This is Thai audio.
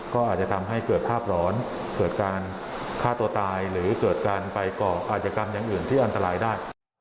ก็อาจจะทำให้เกิดภาพหลอนเกิดการฆ่าตัวตายหรือเกิดการไปก่ออาจกรรมอย่างอื่นที่อันตรายได้